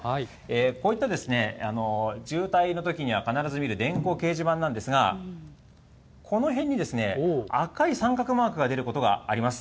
こういった渋滞のときには必ず見る電光掲示板なんですが、この辺に赤い三角マークが出ることがあります。